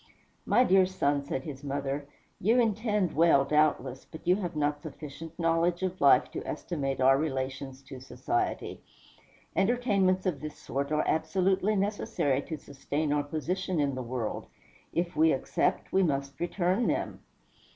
"My dear son," said his mother, "you intend well, doubtless; but you have not sufficient knowledge of life to estimate our relations to society. Entertainments of this sort are absolutely necessary to sustain our position in the world. If we accept, we must return them."